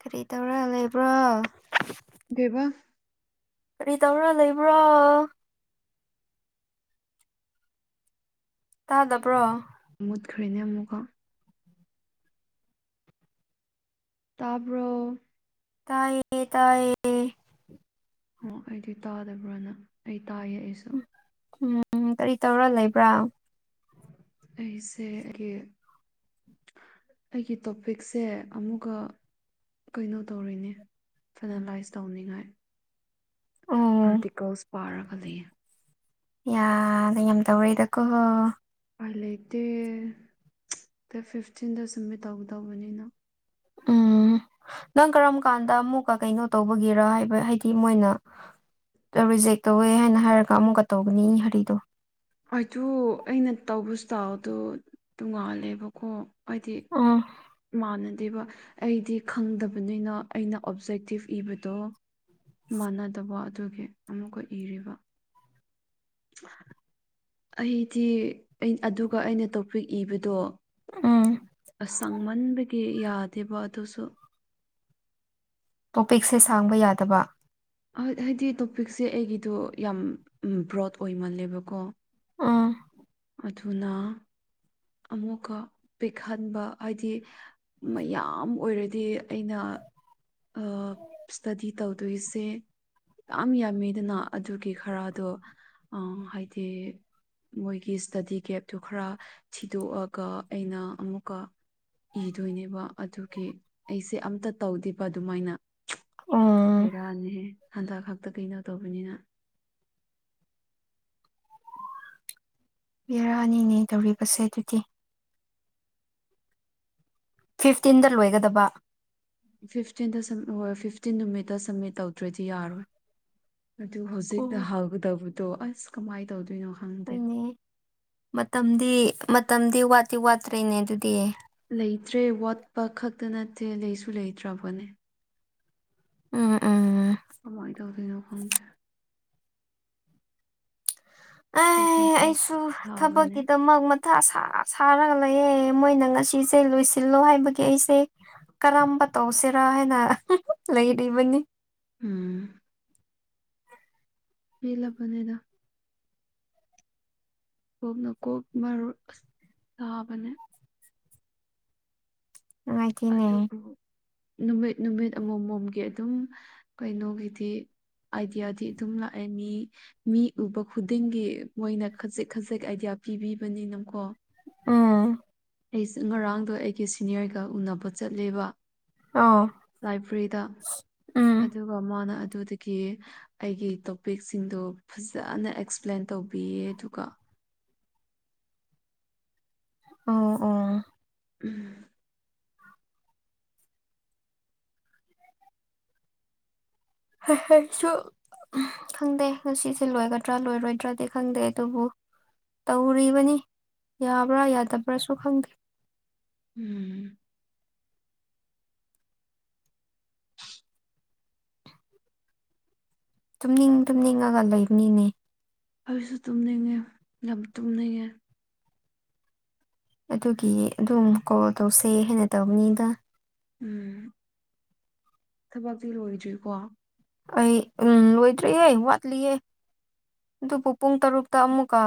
ꯀꯔꯤ ꯇꯧꯔ ꯂꯩꯕ꯭ꯔꯣ ꯑꯗꯨꯒꯕ ꯀꯔꯤ ꯇꯧꯔꯥ ꯂꯩꯕ꯭ꯔꯣ ꯇꯥꯗꯕ꯭ꯔꯣ ꯃꯨꯠꯈ꯭ꯔꯦꯅꯦ ꯑꯃꯨꯛꯀꯣ ꯇꯥꯕꯣ ꯇꯥꯌꯦ ꯇꯥꯌꯦ ꯑꯣ ꯑꯩꯗꯤ ꯇꯥꯗꯕ꯭ꯔꯅ ꯑꯩ ꯇꯥ ꯌꯦꯛꯏꯁꯦ ꯎꯝ ꯀꯔꯤ ꯇꯧꯔ ꯂꯩꯕ꯭ꯔꯥ ꯑꯩꯁꯦ ꯑꯩꯒꯤ ꯑꯩꯒꯤ ꯇꯣꯄꯤꯛꯁꯦ ꯑꯃꯨꯛꯀ ꯀꯩꯅꯣ ꯇꯧꯔꯤꯅꯦ ꯐꯥꯏꯅꯥꯂꯥꯏꯁ ꯇꯧꯅꯤꯡꯉꯥꯏ ꯎꯝ ꯑꯔꯇꯤꯀꯜꯁ ꯄꯥꯔꯒ ꯂꯩ ꯌꯥꯗ ꯌꯥꯝ ꯇꯧꯔꯛꯏꯗꯀꯣ ꯑ ꯂꯩꯇꯦ ꯗ ꯐꯤꯐꯇꯤꯟꯗ ꯁꯨꯝꯃꯤꯠ ꯇꯧꯒꯗꯧꯕꯅꯤꯅ ꯎꯝ ꯅꯪ ꯀꯔꯝ ꯀꯥꯟꯗ ꯑꯃꯨꯛꯀ ꯀꯩꯅꯣ ꯇꯧꯕꯒꯤꯦꯔ ꯍꯥꯏꯕ ꯍꯥꯏꯗꯤ ꯃꯣꯏꯅ ꯔꯤꯖꯦꯛ ꯇꯧꯋꯦ ꯍꯥꯏꯅ ꯍꯥꯏꯔꯒ ꯑꯃꯨꯛꯀ ꯇꯧꯒꯅꯤ ꯍꯔꯤꯗꯣ ꯑꯗꯨꯗ ꯑꯩꯅ ꯇꯧꯕꯁꯤ ꯇꯥꯎꯗꯣ ꯇꯣꯡꯉꯥꯜꯂꯦꯕꯀꯣ ꯍꯥꯏꯗꯤ ꯎꯝ ꯃꯥꯟꯅꯗꯦꯕ ꯑꯩꯗꯤ ꯈꯪꯗꯕꯅꯤꯅ ꯑꯩꯅ ꯑꯣꯞꯖꯦꯛꯇꯤꯞ ꯏꯕꯗꯣ ꯃꯥꯟꯅꯗꯕ ꯑꯗꯨꯒꯤ ꯑꯃꯨꯛꯀ ꯏꯔꯤꯕ ꯑꯩꯗꯤ ꯑꯗꯨꯒ ꯑꯩꯅ ꯇꯣꯄꯤꯛ ꯏꯕꯗꯣ ꯑꯥ ꯑꯁꯥꯡꯃꯟꯕꯤ ꯌꯥꯗꯕ ꯑꯗꯨꯁꯨ ꯇꯣꯄꯤꯛꯁꯦ ꯁꯥꯡꯕ ꯌꯥꯗꯕ ꯍꯥꯏꯗꯤ ꯇꯣꯄꯤꯛꯁꯦ ꯑꯩꯒꯤꯗꯣ ꯌꯥꯝ ꯕ꯭ꯔꯣꯗ ꯑꯣꯏꯃꯜꯂꯦꯕꯀꯣ ꯑꯥ ꯑꯗꯨꯅ ꯑꯃꯨꯛꯀ ꯄꯤꯛꯍꯟꯕ ꯍꯥꯏꯗꯤ ꯃꯌꯥꯝ ꯑꯣꯏꯔꯗꯤ ꯑꯩꯅ ꯁ꯭ꯇꯗꯤ ꯇꯧꯗꯣꯏꯁꯦ ꯌꯥꯝ ꯌꯥꯝꯃꯤꯗꯅ ꯑꯗꯨꯒꯤ ꯈꯔꯗꯣ ꯑ ꯍꯥꯏꯗꯤ ꯃꯣꯏꯒꯤ ꯏꯁꯇꯗꯤ ꯒꯦꯞꯇꯨ ꯈꯔ ꯊꯤꯗꯣꯛꯑꯒ ꯑꯩꯅ ꯑꯃꯨꯛꯀ ꯏꯗꯣꯏꯅꯦꯕ ꯑꯗꯨꯒꯤ ꯑꯩꯁꯦ ꯑꯝꯇ ꯇꯧꯗꯦꯕ ꯑꯗꯨꯃꯥꯏꯅ ꯎꯝ ꯕꯦꯔꯥꯅꯤꯍꯦ ꯍꯟꯗꯛ ꯈꯥꯛꯛꯇ ꯀꯩꯅꯣ ꯇꯧꯕꯅꯤꯅ ꯕꯤꯦꯔꯥꯅꯤꯅꯦ ꯇꯧꯔꯤꯕꯁꯦ ꯑꯗꯨꯗꯤ ꯐꯤꯐꯇꯤꯟꯗ ꯂꯣꯏꯒꯗꯕ ꯐꯤꯐꯇꯤꯟꯗ ꯁ ꯍꯣꯏ ꯐꯤꯐꯇꯤꯟ ꯅꯨꯃꯤꯠꯇ ꯁꯝꯃꯤꯠ ꯇꯧꯗ꯭ꯔꯣꯏꯗꯤ ꯌꯥꯔꯣꯏ ꯑꯗꯨ ꯍꯧꯖꯤꯛꯅ ꯑꯣ ꯍꯧꯒꯗꯕꯗꯣ ꯑꯁ ꯀꯃꯥꯏꯅ ꯇꯧꯗꯣꯏꯅꯣ ꯈꯪꯗꯦ ꯍꯣꯏꯅꯦ ꯃꯇꯝꯗꯤ ꯃꯇꯝꯗꯤ ꯋꯥꯠꯇꯤ ꯋꯥꯠꯇ꯭ꯔꯦꯅꯦ ꯑꯗꯨꯗꯤ ꯂꯩꯇ꯭ꯔꯦ ꯋꯥꯠꯄ ꯈꯛꯇ ꯅꯠꯇꯦ ꯂꯩꯁꯨ ꯂꯩꯇ꯭ꯔꯕꯅꯦ ꯎꯝ ꯎꯝ ꯀꯃꯥꯏꯅ ꯇꯧꯗꯣꯏꯅꯣ ꯈꯪꯗꯦ ꯑ ꯀꯣꯛꯅ ꯀꯣꯛ ꯑꯩꯁꯨ ꯊꯥꯕꯅꯦ ꯊꯕꯛꯀꯤꯗꯃꯛ ꯁꯥꯔꯒ ꯂꯩꯌꯦꯦ ꯃꯣꯏꯅ ꯉꯁꯤꯁꯦ ꯂꯣꯏꯁꯤꯜꯂꯣ ꯍꯥꯏꯕꯒꯤ ꯑꯩꯁꯦ ꯀꯔꯝꯕ ꯇꯧꯁꯤꯔꯥ ꯍꯥꯏꯅ ꯂꯩꯔꯤꯕꯅꯤ ꯎꯝ ꯄꯂꯕꯅꯦꯗ ꯀꯣꯛꯅ ꯀꯣꯛ ꯃꯔ ꯇꯥꯕꯅꯦ ꯅꯨꯡꯉꯥꯏꯇꯦꯅꯦ ꯑꯗꯨꯕꯨ ꯅꯨꯃꯤꯠ ꯅꯨꯃꯤꯠ ꯑꯃꯝꯃꯣꯝꯒꯤ ꯑꯗꯨꯝ ꯀꯩꯅꯣꯒꯤꯗꯤ ꯍꯥꯏꯗꯤꯌꯥꯗꯤ ꯑꯗꯨꯝ ꯂꯥꯛꯑꯦ ꯃꯤ ꯃꯤ ꯎꯕ ꯈꯨꯗꯤꯡꯒꯤ ꯃꯣꯏꯅ ꯈꯖꯤꯛ ꯈꯖꯤꯛ ꯑꯥꯏꯗꯤꯌꯥ ꯄꯤꯕꯤꯕꯅꯤꯅꯀꯣ ꯎꯨꯝ ꯑꯩꯁꯦ ꯉꯔꯥꯡꯗꯣ ꯑꯩꯒꯤ ꯁꯤꯅꯤꯌꯔꯒ ꯎꯅꯕ ꯆꯠꯂꯦꯕ ꯑ ꯂꯥꯏꯕ꯭ꯔꯦꯔꯤꯗ ꯑꯗꯨꯒ ꯃꯥꯅ ꯑꯗꯨꯗꯒꯤ ꯑꯩꯒꯤ ꯇꯣꯄꯤꯛꯁꯤꯡꯗꯣ ꯐꯖꯅ ꯑꯦꯛꯁꯄ꯭ꯂꯦꯟ ꯇꯧꯕꯤꯌꯦ ꯑꯗꯨꯒ ꯑꯣ ꯑꯣ ꯎꯝ ꯁꯨ ꯎ ꯈꯪꯗꯦ ꯉꯁꯤꯁꯦ ꯂꯣꯏꯒꯗ꯭ꯔꯥ ꯂꯣꯏꯔꯣꯏꯗ꯭ꯔꯥꯗꯤ ꯈꯪꯗꯦ ꯑꯗꯨꯕꯨ ꯇꯧꯔꯤꯕꯅꯤ ꯌꯥꯕ꯭ꯔꯥ ꯌꯥꯗꯕ꯭ꯔꯥꯁꯨ ꯈꯪꯗꯦ ꯎꯝ ꯇꯨꯝꯅꯤꯡ ꯇꯨꯝꯅꯤꯡꯉꯒ ꯂꯩꯅꯤꯡꯉ ꯑꯩꯁꯨ ꯇꯨꯝꯅꯤꯡꯉꯦ ꯂꯝ ꯇꯨꯝꯅꯤꯡꯉꯦ ꯑꯗꯨꯒꯤ ꯑꯗꯨꯝ ꯀꯣꯜ ꯇꯧꯁꯦ ꯍꯥꯏꯅ ꯇꯧꯕꯅꯤꯗ ꯎꯝ ꯊꯕꯛꯁꯤ ꯂꯣꯏꯗ꯭ꯔꯤꯀꯣ ꯑꯩ ꯎꯝ ꯂꯣꯏꯗ꯭ꯔꯌꯦ ꯋꯥꯠꯂꯤꯌꯦ ꯑꯗꯨꯕꯨ ꯄꯨꯡ ꯇꯔꯨꯛꯇ ꯑꯃꯨꯛꯀ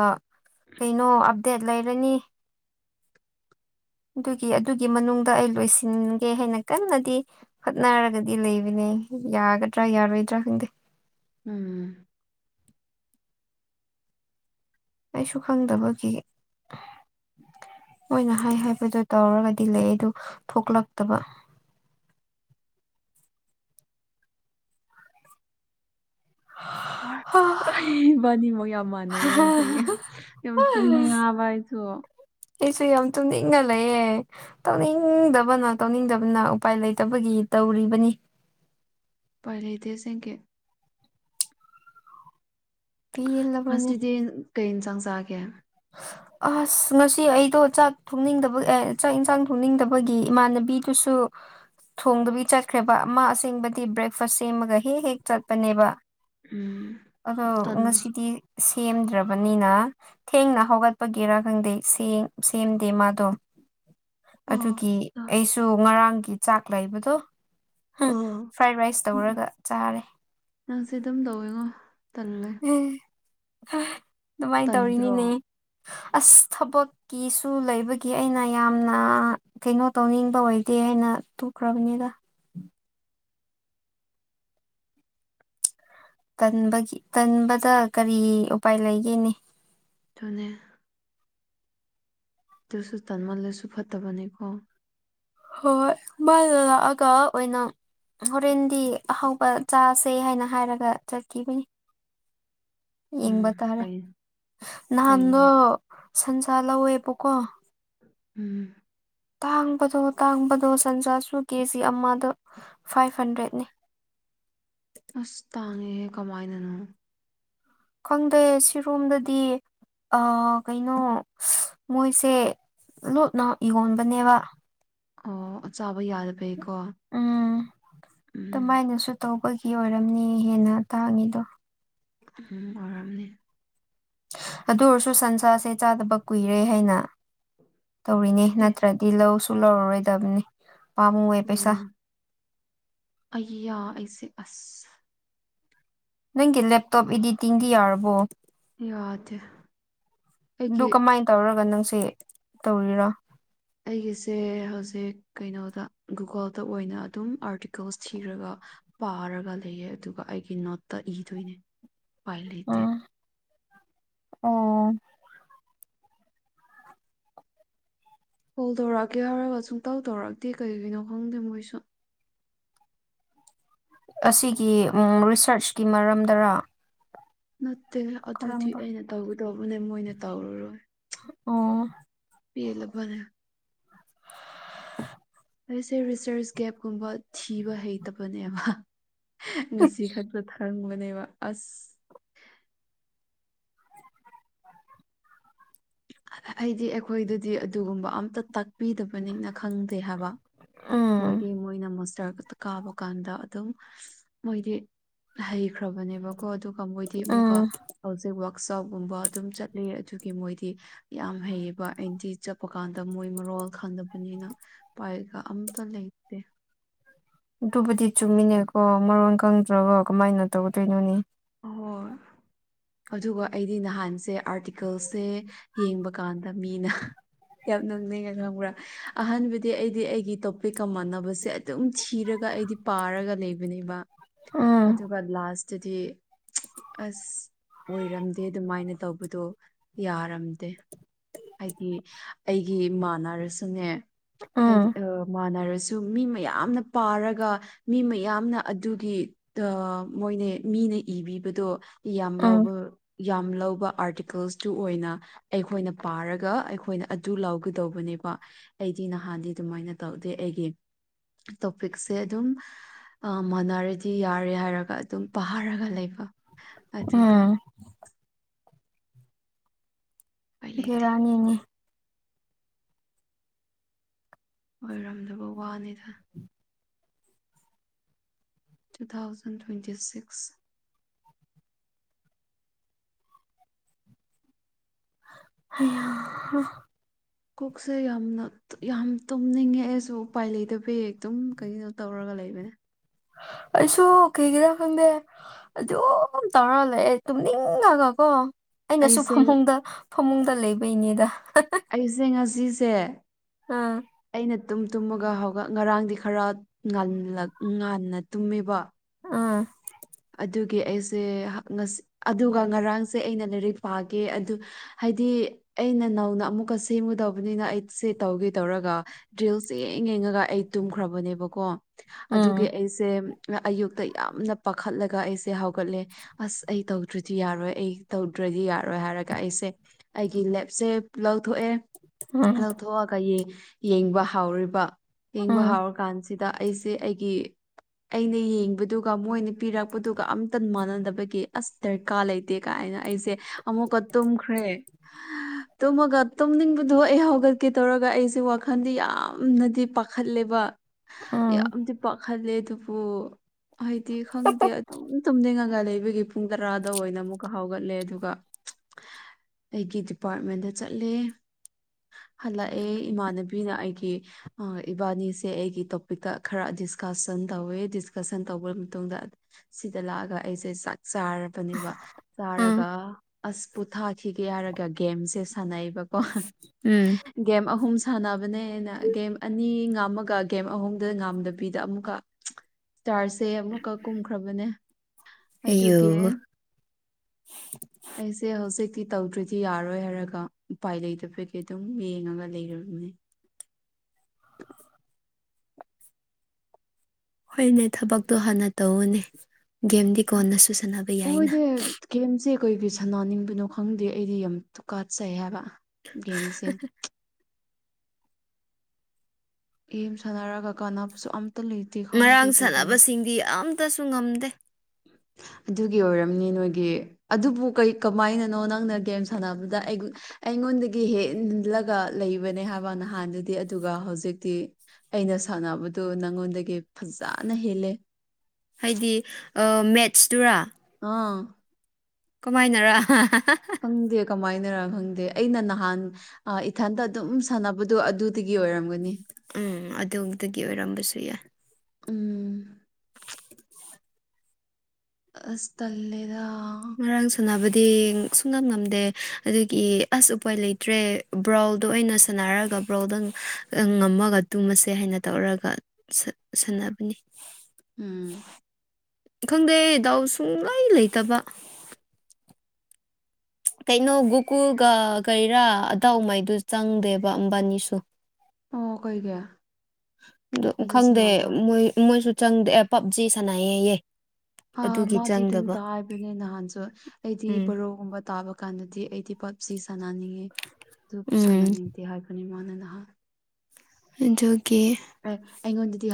ꯀꯩꯅꯣ ꯑꯞꯗꯦꯠ ꯂꯩꯔꯅꯤ ꯑꯗꯨꯒꯤ ꯑꯗꯨꯒꯤ ꯃꯅꯨꯡꯗ ꯑꯩ ꯂꯣꯏꯁꯤꯟꯒꯦ ꯍꯥꯏꯅ ꯀꯟꯅꯗꯤ ꯍꯣꯠꯅꯔꯒꯗꯤ ꯂꯩꯕꯅꯦ ꯌꯥꯒꯗ꯭ꯔꯥ ꯌꯥꯔꯣꯏꯗ꯭ꯔꯥ ꯈꯪꯗꯦ ꯎꯝ ꯑꯩꯁꯨ ꯈꯪꯗꯕꯒꯤ ꯃꯅ ꯍꯥꯏ ꯍꯥꯏꯕꯗ ꯇꯧꯔꯒꯗꯤ ꯂꯩ ꯑꯗꯨ ꯊꯣꯛꯂꯛꯇꯕ ꯍꯥ ꯕꯥꯅꯤ ꯃꯨꯛ ꯌꯥꯝ ꯃꯥꯟꯅꯩꯌꯦ ꯍꯧꯖꯤꯛ ꯇꯨ ꯅ ꯑꯋꯥꯏꯁꯨ ꯑꯩꯁꯨ ꯌꯥꯝ ꯇꯨꯝꯅꯤꯡꯒꯂꯑꯦ ꯇꯧꯅꯤꯡꯗꯕꯅ ꯇꯧꯅꯤꯡꯗꯕꯅ ꯎꯄꯥꯏ ꯂꯩꯇꯕꯒꯤ ꯇꯧꯔꯤꯕꯅꯤ ꯄꯥꯏꯔ ꯂꯩꯇꯦꯁꯦꯡꯒꯤ ꯄꯦꯜꯂꯕꯅꯤ ꯉꯁꯤꯗꯤ ꯀꯩ ꯏꯟꯁꯥꯡ ꯆꯥꯒꯦ [unintelligible] ꯑꯁ ꯉꯁꯤ ꯑꯩꯗꯣ ꯆꯥꯛ ꯊꯣꯡꯅꯤꯡꯗꯕ ꯑꯦ ꯆꯥꯛ ꯏꯟꯁꯥꯡ ꯊꯣꯡꯅꯤꯡꯗꯕꯒꯤ ꯏꯃꯥꯟꯅꯕꯤꯗꯨꯁꯨ ꯊꯣꯡꯗꯨꯕꯤ ꯆꯠꯈ꯭ꯔꯦꯕ ꯑꯃ ꯑꯁꯦꯡꯕꯗꯤ ꯕ꯭ꯔꯦꯛꯐꯁ ꯁꯦꯝꯃꯒ ꯍꯦꯛ ꯍꯦꯛ ꯆꯠꯄꯅꯦꯕ ꯎꯝ ꯑꯗꯣ ꯇꯟ ꯉꯁꯤꯗꯤ ꯁꯦꯝꯗ꯭ꯔꯕꯅꯤꯅ ꯊꯦꯡꯅ ꯍꯧꯒꯠꯄꯒꯤꯦꯔꯥ ꯈꯪꯗꯦ ꯁꯦꯝꯗꯦ ꯃꯥꯗꯣ ꯑꯣ ꯑꯗꯨꯒꯤ ꯑꯩꯁꯨ ꯉꯔꯥꯡꯒꯤ ꯆꯥꯛ ꯂꯩꯕꯗꯣ ꯑꯣ ꯐ꯭ꯔꯥꯏ ꯔꯥꯏꯁ ꯎꯝ ꯇꯧꯔꯒ ꯆꯥꯔꯦ ꯅꯪꯁꯦ ꯑꯗꯨꯝ ꯇꯧꯋꯦꯉꯣ ꯇꯜꯂꯦ ꯑꯗꯨꯃꯥꯏꯅ ꯇꯟꯗ꯭ꯔꯣ ꯇꯧꯔꯤꯅꯤꯅꯦ ꯑꯁ ꯊꯕꯛꯀꯤꯁꯨ ꯂꯩꯕꯒꯤ ꯑꯩꯅ ꯌꯥꯝꯅ ꯀꯩꯅꯣ ꯇꯧꯅꯤꯡꯕ ꯑꯣꯏꯗꯦ ꯍꯥꯏꯅ ꯇꯨꯈ꯭ꯔꯕꯅꯤꯗ ꯒꯤ ꯇꯟꯕꯗ ꯀꯔꯤ ꯎꯄꯥꯏ ꯂꯩꯒꯦꯅꯦ ꯊꯅꯦ ꯇꯁꯨ ꯇꯥꯟ ꯃꯜ ꯂꯩꯁꯨ ꯐꯠꯇꯕꯅꯤꯀꯣ ꯍꯣꯏ ꯃꯥꯗ ꯂꯥꯛꯑꯒ ꯑꯣꯏꯅ ꯍꯣꯔꯦꯟꯗꯤ ꯑꯍꯥꯎꯕ ꯆꯥꯁꯦ ꯍꯥꯏꯅ ꯍꯥꯏꯔꯒ ꯆꯠꯈꯤꯕꯅꯤ ꯎꯝ ꯌꯦꯡꯕ ꯇꯥꯔꯦ ꯐꯩ ꯐꯩꯅ ꯅꯍꯥꯟꯗꯣ ꯁꯟꯁꯥ ꯂꯧꯋꯦꯕꯀꯣ ꯎꯝ ꯇꯥꯡꯕꯗꯣ ꯇꯥꯡꯕꯗꯣ ꯁꯟꯖꯥꯁꯨ ꯀꯦꯖꯤ ꯑꯃꯗ ꯐꯥꯏꯚ ꯍꯟꯗ꯭ꯔꯦꯠꯅꯦ ꯑꯁ ꯇꯥꯡꯉꯦꯍꯦ ꯀꯃꯥꯏꯅꯅꯣ ꯈꯪꯗꯦ ꯁꯤꯔꯣꯝꯗꯗꯤ ꯑ ꯀꯩꯅꯣ ꯃꯣꯏꯁꯦ ꯂꯣꯠꯅ ꯌꯣꯟꯕꯅꯦꯕ ꯑꯣ ꯆꯥꯕ ꯌꯥꯗꯕꯩꯀꯣ ꯎꯝ ꯎꯝ ꯑꯗꯨꯃꯥꯏꯅꯁꯨ ꯇꯧꯕꯒꯤ ꯑꯣꯏꯔꯝꯅꯤ ꯍꯦꯟꯅ ꯇꯥꯡꯉꯤꯗꯣ ꯎꯝ ꯑꯣꯏꯔꯝꯅꯦ ꯑꯗꯨ ꯑꯣꯏꯔꯁꯨ ꯁꯟꯁꯥꯁꯦ ꯆꯥꯗꯕ ꯀꯨꯏꯔꯦ ꯍꯥꯏꯅ ꯇꯧꯔꯤꯅꯦ ꯁꯤ ꯅꯠꯇ꯭ꯔ ꯇꯤ ꯂꯧꯁꯨ ꯂꯧꯔꯔꯣꯏꯗꯕꯅꯤ ꯄꯥꯝꯃꯨꯋꯦ ꯄꯩꯁꯥ ꯎꯝ ꯑꯩ ꯌꯥ ꯑꯩꯁꯦ ꯑꯁ ꯅꯪꯒꯤ ꯂꯦꯞꯇꯣꯞ ꯏꯗꯤꯇꯤꯡꯗꯤ ꯌꯥꯔꯕꯣ ꯌꯥꯗ ꯑꯗꯨ ꯀꯃꯥꯏꯅ ꯇꯧꯔꯒ ꯅꯪꯁꯦ ꯇꯧꯔꯤꯔꯣ ꯑꯩꯒꯤꯁꯦ ꯍꯧꯖꯤꯛ ꯀꯩꯅꯣꯗ ꯒꯨꯒꯜꯗ ꯑꯣꯏꯅ ꯑꯗꯨꯝ ꯑꯥꯔꯇꯤꯀꯜꯁ ꯊꯤꯔꯒ ꯄꯥꯔꯒ ꯂꯩꯌꯦꯦ ꯑꯗꯨꯒ ꯑꯩꯒꯤ ꯅꯣꯠꯇ ꯏꯗꯣꯏꯅꯦ ꯎꯥꯏ ꯂꯩꯇꯦ ꯎꯝ ꯑꯣ ꯀꯣꯜ ꯇꯧꯔꯛꯑꯀꯦ ꯍꯥꯏꯔꯒ ꯁꯨꯡꯇꯧ ꯇꯧꯔꯛꯑꯛꯇꯦ ꯀꯩꯒꯤꯅꯣ ꯈꯪꯗꯦ ꯃꯣꯏꯁꯨ ꯑꯁꯤꯒꯤ ꯔꯤꯁꯔꯁꯀꯤ ꯃꯔꯝꯗꯔ ꯅꯠꯇꯦ ꯑꯗꯨꯗꯤ ꯑꯩꯅ ꯇꯧꯒꯗꯧꯕꯅꯦ ꯃꯣꯏꯅ ꯇꯧꯔꯨꯔꯣꯏ ꯑꯣ ꯄ ꯂꯕꯅꯦ [inaudible] ꯑꯩꯁꯦ ꯔꯤꯁꯔꯁ ꯒꯦꯞꯀꯨꯝꯕ ꯊꯤꯕ ꯍꯩꯇꯕꯅꯦꯕ ꯉꯁꯤ ꯈꯛꯇꯗ ꯈꯪꯕꯅꯦꯕ ꯑꯁ ꯑꯩꯗꯤ ꯑꯩꯈꯣꯏꯗꯗꯤ ꯑꯗꯨꯒꯨꯝꯕ ꯑꯝꯇ ꯇꯥꯛꯄꯤꯗꯕꯅꯤꯅ ꯈꯪꯗꯦ ꯍꯥꯏꯕ ꯎꯝ ꯃꯣꯏꯗꯤꯦ ꯃꯣꯏꯅ ꯃꯃꯁ ꯍꯥꯏꯒꯣ ꯀꯥꯕ ꯀꯥꯟꯗ ꯑꯗꯨꯝ ꯃꯣꯏꯗꯤ ꯍꯩꯈ꯭ꯔꯕꯅꯦꯕ ꯀꯣ ꯑꯗꯨꯒ ꯃꯣꯏꯗꯤ ꯑꯃꯨꯛꯀ ꯎꯝ ꯍꯧꯖꯤꯛ ꯋꯛꯁꯣꯞꯀꯨꯝꯕ ꯑꯗꯨꯝ ꯆꯠꯂꯤ ꯑꯗꯨꯒꯤ ꯃꯣꯏꯗꯤ ꯌꯥꯝ ꯍꯩꯌꯦꯕ ꯑꯩꯗꯤ ꯆꯠꯄ ꯀꯥꯟꯗ ꯃꯣꯏ ꯃꯔꯣꯜ ꯈꯪꯗꯕꯅꯤꯅ ꯄꯥꯏꯒ ꯑꯝꯇ ꯂꯩꯇꯦ ꯑꯗꯨꯕꯨꯗꯤ ꯆꯨꯝꯃꯤꯅꯦꯀꯣ ꯃꯔꯣꯟ ꯈꯪꯗ꯭ꯔꯒ ꯀꯃꯥꯏꯅ ꯇꯧꯗꯣꯏꯅꯣꯅꯦ ꯍ ꯑꯗꯨꯒ ꯑꯩꯗꯤ ꯅꯍꯥꯟꯁꯦ ꯑꯥꯔꯇꯤꯀꯜꯁꯦ ꯌꯦꯡꯕꯀꯥꯟꯗ ꯃꯤꯅ ꯌꯥꯝ ꯅꯨꯡꯅꯤꯡꯅ ꯈꯪꯕ꯭ꯔꯥ ꯑꯍꯥꯟꯕꯗꯤ ꯑꯩꯗꯤ ꯑꯩꯒꯤ ꯇꯣꯄꯤꯛꯀ ꯃꯥꯟꯅꯕꯁꯦ ꯑꯗꯨꯝ ꯊꯤꯔꯒ ꯑꯩꯗꯤ ꯄꯥꯔꯒ ꯂꯩꯕꯅꯦꯕ ꯎꯝ ꯑꯗꯨꯒ ꯂꯥꯁꯇꯗꯤ ꯑꯁ ꯑꯣꯏꯔꯝꯗꯦ ꯑꯗꯨꯃꯥꯏꯅ ꯇꯧꯕꯗꯣ ꯌꯥꯔꯝꯗꯦ ꯍꯥꯏꯗꯤ ꯑꯩꯒꯤ ꯏꯃꯥꯟꯅꯔꯁꯨꯅꯦ ꯎꯝ ꯍꯥꯏꯗꯤ ꯃꯥꯟꯅꯔꯁꯨ ꯇꯨ ꯃꯤ ꯃꯌꯥꯝꯅ ꯄꯥꯔꯒ ꯃꯤ ꯃꯌꯥꯝꯅ ꯑꯗꯨꯒꯤ ꯇ ꯃꯣꯏꯅꯦ ꯃꯤꯅ ꯏꯕꯤꯕꯗꯣ ꯌꯥꯝ ꯎꯝ ꯂꯧꯕ ꯌꯥꯝ ꯂꯧꯕ ꯑꯥꯔꯇꯤꯀꯜꯁꯇꯨ ꯑꯣꯏꯅ ꯑꯩꯈꯣꯏꯅ ꯄꯥꯔꯒ ꯑꯩꯈꯣꯏꯅ ꯑꯗꯨ ꯂꯧꯥꯎꯒꯗꯧꯕꯅꯦꯕ ꯑꯩꯗꯤ ꯅꯍꯥꯟꯗꯤ ꯑꯗꯨꯃꯥꯏꯅ ꯇꯧꯗꯦ ꯑꯩꯒꯤ ꯇꯣꯄꯤꯛꯁꯦ ꯑꯗꯨꯝ ꯃꯥꯟꯅꯔꯗꯤ ꯌꯥꯔꯦ ꯍꯥꯏꯔꯒ ꯑꯗꯨꯝ ꯄꯥꯔꯒ ꯂꯩꯕ ꯑꯗꯨꯗ ꯎꯝ ꯎꯄꯥꯏ ꯂꯩꯇꯦ ꯕꯦꯔꯥꯅꯤꯅꯦ ꯑꯣꯏꯔꯝꯗꯕ ꯋꯥꯅꯤꯗ ꯇꯨ ꯊꯥꯎꯖꯟ ꯇ꯭ꯋꯦꯟꯇꯤ ꯁꯤꯛꯁ [unintelligible] ꯀꯣꯛꯁꯦ ꯌꯥꯝꯅ ꯌꯥꯝ ꯇꯨꯝꯅꯤꯡꯉꯦ ꯑꯩꯁꯨ ꯎꯄꯥꯏ ꯂꯩꯇꯕ ꯍ ꯑꯗꯨꯝ ꯀꯩꯒꯤꯅꯣ ꯇꯧꯔꯒ ꯂꯩꯕꯅꯦ ꯑꯁꯨ ꯀꯩꯒꯤꯔ ꯈꯪꯗꯦ ꯑꯗꯨꯝ ꯇꯧꯔ ꯂꯩ ꯑꯩ ꯇꯨꯝꯅꯤꯡꯒ ꯀꯣ ꯑꯩꯅꯁꯨ ꯑꯩꯁꯦ ꯐꯃꯨꯡꯗ ꯐꯃꯨꯡꯗ ꯂꯩꯕꯩꯅꯦꯗ ꯑꯩꯁꯦ ꯉꯁꯤꯁꯦ ꯑꯥ ꯑꯩꯅ ꯇꯨꯝ ꯇꯨꯝꯃꯒ ꯍꯧꯒ ꯉꯔꯥꯡꯗꯤ ꯈꯔ ꯉꯥꯜꯂ ꯉꯟꯅ ꯇꯨꯝꯃꯦꯕ ꯑꯥ ꯑꯗꯨꯒꯤ ꯑꯩꯁꯦ ꯑꯗꯨꯒ ꯉꯔꯥꯡꯁꯦ ꯑꯩꯅ ꯂꯥꯏꯔꯤꯛ ꯄꯥꯒꯦ ꯑꯗꯨ ꯍꯥꯏꯗꯤ ꯑꯩꯅ ꯅꯧꯅ ꯑꯃꯨꯛꯀ ꯁꯦꯝꯃꯨꯗꯧꯕꯅꯤꯅ ꯑꯩꯁꯦ ꯇꯧꯒꯦ ꯇꯧꯔꯒ ꯗ꯭ꯔꯤꯜꯁꯦ ꯌꯦꯡ ꯌꯦꯡꯉꯒ ꯑꯩ ꯇꯨꯝꯈ꯭ꯔꯕꯅꯦꯕꯀꯣ ꯑꯗꯨꯒꯤ ꯎꯝ ꯑꯩꯁꯦ ꯑꯌꯨꯛꯇ ꯌꯥꯝꯅ ꯄꯥꯈꯠꯂꯒ ꯑꯩꯁꯦ ꯍꯧꯒꯠꯂꯦ ꯑꯁ ꯑꯩ ꯇꯧꯗ꯭ꯔꯗꯤ ꯌꯥꯔꯣꯏ ꯑꯩ ꯇꯧꯗ꯭ꯔꯗꯤ ꯌꯥꯔꯣꯏ ꯍꯥꯏꯔꯒ ꯑꯩꯁꯦ ꯑꯩꯒꯤ ꯂꯦꯞꯁꯦ ꯂꯧꯊꯣꯛꯑꯦ ꯎꯝ ꯂꯧꯊꯣꯛꯑꯒ ꯌꯦ ꯌꯦꯡꯕ ꯍꯥꯎꯔꯤꯕ ꯌꯦꯡꯕ ꯎꯝ ꯍꯥꯎꯔꯀꯥꯟꯁꯤ ꯁꯤꯗ ꯑꯩꯁꯦ ꯑꯩꯒꯤ ꯑꯩꯅ ꯌꯦꯡꯕꯗꯨꯒ ꯃꯣꯏꯅ ꯄꯤꯔꯛꯄꯗꯨꯒ ꯑꯝꯇ ꯃꯥꯟꯅꯗꯕꯒꯤ ꯑꯁ ꯗꯔꯀꯥꯔ ꯂꯩꯇꯦ ꯀꯥꯏꯅ ꯑꯩꯁꯦ ꯑꯃꯨꯛꯀ ꯇꯨꯝꯈ꯭ꯔꯦ [inaudible] ꯇꯨꯝꯃꯒ ꯇꯨꯝꯅꯤꯡꯕꯗꯨꯣ ꯑꯩ ꯍꯧꯒꯠꯀꯦ ꯇꯧꯔꯒ ꯑꯩꯁꯦ ꯋꯥꯈꯜꯗꯤ ꯌꯥꯝꯅꯗꯤ ꯄꯥꯈꯠꯂꯦꯕ ꯎꯝ ꯌꯥꯝꯗꯤ ꯄꯈꯠꯂꯦ ꯑꯗꯨꯕꯨ ꯈꯪꯗꯦ ꯑꯗꯨꯝ ꯇꯨꯝꯅꯤꯡꯉꯒ ꯂꯩꯕꯒꯤ ꯄꯨꯡ ꯇꯔꯥꯗ ꯑꯣꯏꯅ ꯑꯃꯨꯛꯀ ꯍꯧꯥꯒꯠꯂꯦ ꯑꯗꯨꯒ ꯑꯩꯒꯤ ꯗꯤꯄꯥꯔꯠꯃꯦꯟꯗ ꯆꯠꯂꯦ ꯍꯜꯂꯛꯑꯦ ꯏꯃꯥꯟꯅꯕꯤꯅ ꯑꯩꯒꯤ ꯏꯕꯥꯅꯤꯁꯦ ꯑꯩꯒꯤ ꯇꯣꯄꯤꯛꯇ ꯈꯔ ꯗꯤꯁꯀꯁꯟ ꯇꯧꯋꯦ ꯗꯤꯁꯀꯁꯟ ꯇꯧꯕ ꯃꯇꯨꯡꯗ ꯁꯤꯗ ꯂꯥꯛꯑꯒ ꯑꯩꯁꯦ ꯆꯥꯛ ꯆꯥꯔꯕꯅꯦꯕ ꯎꯝ ꯆꯥꯔꯒ ꯑꯁ ꯄꯣꯊꯥꯈꯤꯒꯦ ꯍꯥꯏꯔꯒ ꯒꯦꯝꯁꯦ ꯁꯥꯟꯅꯩꯕꯀꯣ ꯎꯝ ꯒꯦꯝ ꯑꯍꯨꯝ ꯁꯥꯟꯅꯕꯅꯦꯅ ꯒꯦꯝ ꯑꯅꯤ ꯉꯥꯝꯃꯒ ꯒꯦꯝ ꯑꯍꯨꯝꯗ ꯉꯥꯝꯗꯕꯤꯗ ꯑꯃꯨꯛꯀ [inaudible] ꯏꯁꯇꯥꯔꯁꯦ ꯑꯃꯨꯛꯀ ꯀꯨꯝꯈ꯭ꯔꯕꯅꯦ ꯑꯌꯨ ꯑꯗꯨꯒꯤ [inaudible] ꯑꯩꯁꯦ ꯍꯧꯖꯤꯛꯇꯤ ꯇꯧꯗ꯭ꯔꯗꯤ ꯌꯥꯔꯣꯏ ꯍꯥꯏꯔꯒ ꯎꯄꯥꯏ ꯂꯩꯇꯕꯒꯤ ꯑꯗꯨꯝ ꯌꯦꯡꯉꯒ ꯂꯩꯔꯕꯅꯦ ꯍꯣꯏꯅꯦ ꯊꯕꯛꯇꯣ ꯍꯥꯟꯅ ꯇꯧꯑꯣꯅꯦ ꯒꯦꯝꯗꯤ ꯀꯣꯟꯅꯁꯨ ꯁꯥꯟꯅꯕ ꯌꯥꯏꯅ ꯍꯣꯏꯗꯤ ꯒꯦꯝꯁꯦ ꯀꯩꯒꯤ ꯁꯅꯥꯅꯤꯡꯕꯅꯣ ꯈꯪꯗꯦ ꯑꯩꯗꯤ ꯌꯥꯝ ꯇꯨꯀꯠꯆꯩ ꯍꯥꯏꯕ ꯒꯦꯝꯁꯦ ꯒꯦꯝ ꯁꯥꯟꯅꯔꯒ ꯀꯥꯟꯅꯕꯁꯨ ꯑꯝꯇ ꯂꯩ ꯉꯔꯥꯡ ꯁꯥꯟꯅꯕꯁꯤꯡꯗꯤ ꯑꯝꯇꯁꯨ ꯉꯝꯗꯦ ꯑꯗꯨꯒꯤ ꯑꯣꯏꯔꯝꯅꯤ ꯅꯣꯏꯒꯤ ꯑꯗꯨꯕꯨ ꯀꯩ ꯀꯃꯥꯏꯅꯅꯣ ꯅꯪꯅ ꯒꯦꯝ ꯁꯥꯟꯅꯕꯗ ꯑꯩ ꯑꯩꯉꯣꯟꯗꯒꯤ ꯍꯦꯟꯂꯒ ꯂꯩꯕꯅꯦ ꯍꯥꯏꯕ ꯅꯍꯥꯟꯗꯨꯗꯤ ꯑꯗꯨꯒ ꯍꯧꯖꯤꯛꯇꯤ ꯑꯩꯅ ꯁꯥꯟꯅꯕꯗꯨ ꯅꯉꯣꯟꯗꯒꯤ ꯐꯖꯅ ꯍꯦꯜꯂꯦ ꯍꯥꯏꯗꯤ ꯃꯦꯠꯁꯇꯨꯔꯥ ꯑꯥ ꯀꯃꯥꯏꯅꯔ ꯈꯪꯗꯦ ꯀꯃꯥꯏꯅꯔ ꯈꯪꯗꯦ ꯑꯩꯅ ꯅꯍꯥꯟ ꯑ ꯏꯊꯟꯇ ꯑꯗꯨꯝ ꯁꯥꯟꯅꯕꯗꯣ ꯑꯗꯨꯗꯒꯤ ꯑꯣꯏꯔꯝꯒꯅꯤ ꯎꯝ ꯑꯗꯨꯗꯒꯤ ꯑꯣꯏꯔꯝꯕꯁꯨ ꯌꯥꯏ ꯎꯝ [unintelligible] ꯑꯁ ꯇꯜꯂꯦꯗ ꯉꯔꯡ ꯁꯥꯟꯅꯕꯗꯤ ꯁꯨꯡꯉꯝ ꯉꯝꯗꯦ ꯑꯗꯨꯒꯤ ꯑꯁ ꯎꯄꯥꯏ ꯂꯩꯇ꯭ꯔꯦ ꯕ꯭ꯔꯥꯎꯜꯗꯣ ꯑ ꯑꯣꯏꯅ ꯁꯥꯟꯅꯔꯒ ꯕ꯭ꯔꯥꯎꯜꯗ ꯉꯝꯃꯒ ꯇꯨꯝꯃꯁꯦ ꯍꯥꯏꯅ ꯇꯧꯔꯒ ꯁꯥꯟꯅꯕꯅꯤ ꯎꯝ ꯈꯪꯗꯦ ꯗꯥꯎ ꯁꯨꯡꯂꯩ ꯂꯩꯇꯕ ꯀꯩꯅꯣ ꯒꯨꯀꯨꯜꯒ ꯀꯩꯔꯥ ꯑꯗꯥꯎꯉꯩꯗꯨ ꯆꯪꯗꯦꯕ ꯃꯕꯥꯅꯤꯁꯨ ꯑꯣ ꯀꯩꯒꯤ ꯑꯗꯨ ꯑꯩꯗꯤ ꯈꯪꯗꯦ ꯁꯥꯟꯅꯕ꯭ꯔꯥ ꯃꯣꯏ ꯃꯣꯏꯁꯨ ꯆꯪꯗꯦ ꯑꯦ ꯄꯞꯖꯤ ꯁꯥꯟꯅꯩ ꯑꯌꯦ ꯑ ꯃꯥꯗꯤ ꯑꯗꯨꯝ ꯀꯥꯕꯅꯦ ꯅꯍꯥꯟꯁꯨ ꯑꯩꯗꯤ ꯎꯝ ꯕꯣꯔꯣꯒꯨꯝꯕ ꯇꯥ [unintelligible] ꯀꯥꯟꯗꯗꯤ ꯑꯩꯗꯤ ꯄꯞꯖꯤ ꯁꯥꯟꯅꯅꯤꯡꯉꯦ ꯑꯗꯨ ꯎꯝ ꯁꯥꯟꯅꯅꯤꯡꯗꯦ ꯍꯥꯏꯕꯅꯤ ꯃꯥꯅ ꯅꯍꯥꯟ ꯑꯗꯨꯒꯤ ꯑꯩꯉꯣꯟꯗꯗꯤ